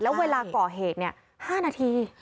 แล้วเวลาก่อเหตุ๕นาที